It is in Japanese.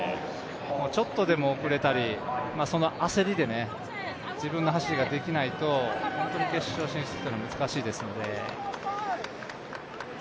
ちょっとでも遅れたり、その焦りで自分の走りができない本当に決勝進出というのは難しいですので。